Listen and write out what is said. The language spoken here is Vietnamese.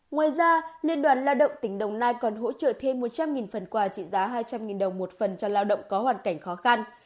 ngoài ra liên đoàn lao động tỉnh đồng nai còn hỗ trợ thêm một trăm linh phần quà trị giá hai trăm linh đồng một phần cho lao động có hoàn cảnh khó khăn